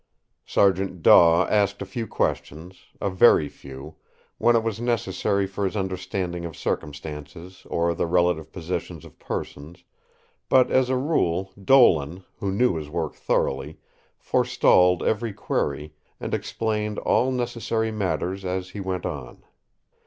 Sergeant Daw asked a few questions—a very few—when it was necessary for his understanding of circumstances or the relative positions of persons; but as a rule Dolan, who knew his work thoroughly, forestalled every query, and explained all necessary matters as he went on.